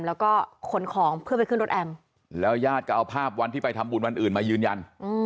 แล้วก็ขนของเพื่อไปขึ้นรถแอมแล้วญาติก็เอาภาพวันที่ไปทำบุญวันอื่นมายืนยัน